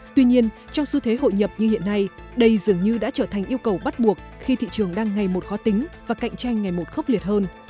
tuy nhiên trong xu thế hội nhập như hiện nay đây dường như đã trở thành yêu cầu bắt buộc khi thị trường đang ngày một khó tính và cạnh tranh ngày một khốc liệt hơn